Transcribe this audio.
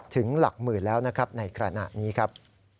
ถึงหลักหมื่นแล้วนะครับในขณะนี้ครับ